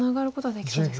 できそうです。